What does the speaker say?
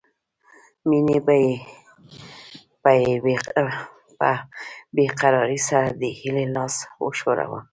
مينې په بې قرارۍ سره د هيلې لاس وښوراوه